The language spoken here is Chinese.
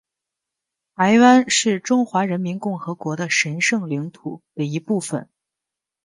台湾是中华人民共和国的神圣领土的一部分